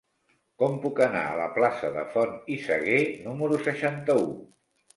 Com puc anar a la plaça de Font i Sagué número seixanta-u?